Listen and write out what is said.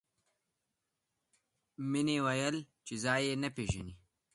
مینې وویل چې ځای یې نه پېژني